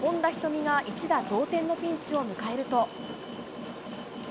海が一打同点のピンチを迎えると。